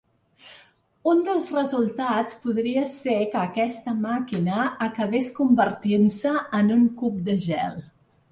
Un dels resultats podria ser que aquesta màquina acabés convertint-se en un cub de gel.